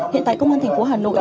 hiện tại công an thành phố hà nội